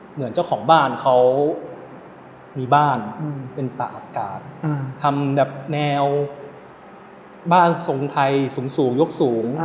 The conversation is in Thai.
เหมือนเจ้าของบ้านเขามีบ้านเป็นป่าอากาศทำแบบแนวบ้านทรงไทยสูงยกสูง